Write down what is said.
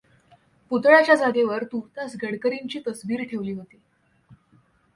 पुतळ्याच्या जागेवर तूर्तास गडकरींची तसबीर ठेवली आहे.